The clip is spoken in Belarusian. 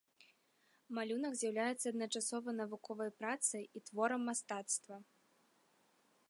Малюнак з'яўляецца адначасова навуковай працай і творам мастацтва.